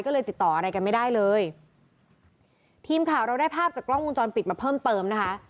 ก็เลยติดต่ออะไรกันไม่ได้เลยทีมข่าวเราได้ภาพจากกล้องวงจรปิดมาเพิ่มเติมนะคะ